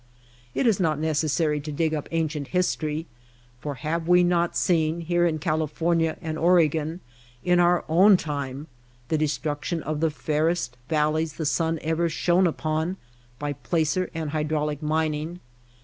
It is not necessary to dig up ancient history ; for have we not seen, here in California and Oregon, in our own time, the destruction of the fairest valleys the sun ever shone upon by placer and hy draulic mining